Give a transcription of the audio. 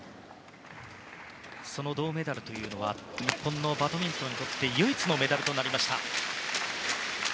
その銅メダルというのは日本のバドミントンにとって唯一のメダルとなりました。